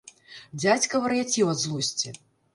Дзядзька вар'яцеў ад злосці.